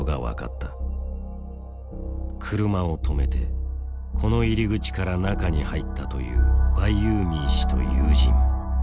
車を止めてこの入り口から中に入ったというバイユーミー氏と友人。